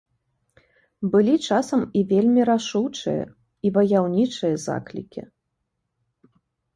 Былі часам і вельмі рашучыя і ваяўнічыя заклікі.